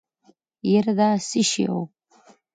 يره دا څه شی و.